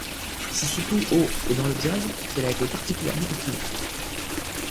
C'est surtout au et dans le jazz qu'elle a été particulièrement utilisée.